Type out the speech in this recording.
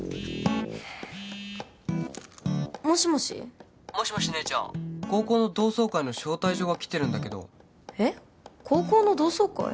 もしもし☎もしもし姉ちゃん高校の同窓会の招待状が来てるんだけどえっ高校の同窓会？